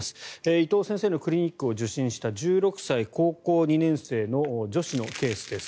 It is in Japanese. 伊藤先生のクリニックを受診した１６歳高校２年生の女子のケースです。